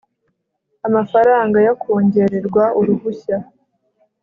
amafaranga yo kongererwa uruhushya